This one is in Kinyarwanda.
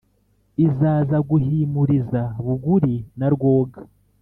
izaza guhimuriza buguri na rwoga